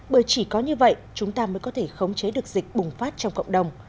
bởi chỉ có như vậy chúng ta mới có thể khống chế được dịch bùng phát trong cộng đồng